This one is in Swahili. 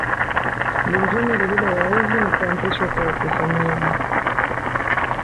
Lingine lililowaudhi ni kuanzishwa kwa ukusanyaji